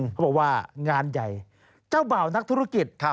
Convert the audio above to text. เขาบอกว่างานใหญ่เจ้าบ่าวนักธุรกิจ